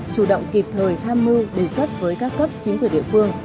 chủ động kịp thời tham mưu đề xuất với các cấp chính quyền địa phương